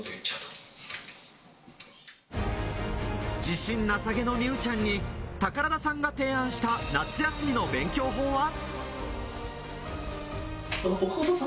自信なさげな美羽ちゃんに宝田さんが提案した夏休みの勉強法は。